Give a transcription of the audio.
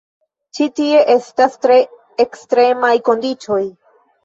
Ĉi tie estas tre ekstremaj kondiĉoj.